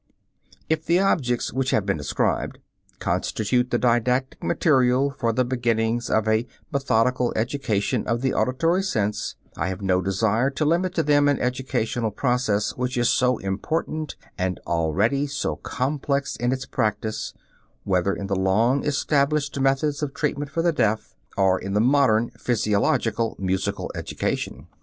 If the objects which have been described constitute the didactic material for the beginnings of a methodical education of the auditory sense, I have no desire to limit to them an educational process which is so important and already so complex in its practise, whether in the long established methods of treatment for the deaf, or in modern physiological musical education.